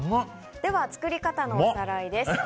では、作り方のおさらいです。